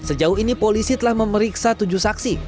sejauh ini polisi telah memeriksa tujuh saksi